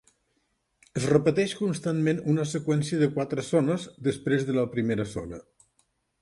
Es repeteix constantment una seqüència de quatre zones després de la primera zona.